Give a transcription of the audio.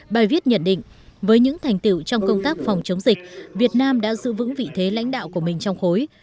bài viết nhận định với những thành tiệu trong công tác phòng chống dịch việt nam đã giữ vững vị thế lãnh đạo của mình trong khối